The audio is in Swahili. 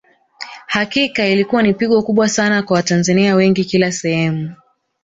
Hakika ilikuwa ni pigo kubwa Sana kwa Watanzania wengi kila sehemu